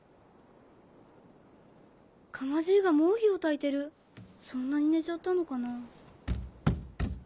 釜爺がもう火をたいてるそんなに寝ちゃったのかな。